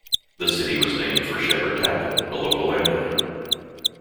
The city was named for Sheppard Tappen, a local landowner.